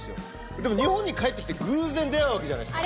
でも日本に帰ってきて、偶然、出会うわけじゃないですか。